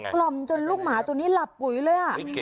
ล่อมจนลูกหมาตัวนี้หลับปุ๋ยเลย